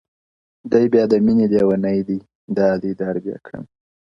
o دى بيا د ميني ليونى دی دادی در بـه يـــې كــــــــړم.